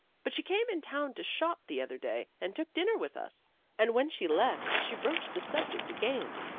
But she came in town to shop the other day and took dinner with us, and when she left, she broached the subject again.